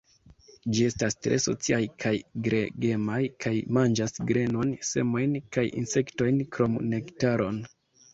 Ĝi estas tre sociaj kaj gregemaj kaj manĝas grenon, semojn kaj insektojn krom nektaron.